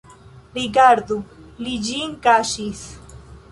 Rigardu, li ĝin kaŝis!